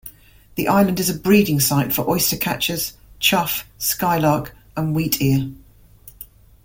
The island is a breeding site for oystercatchers, chough, skylark and wheatear.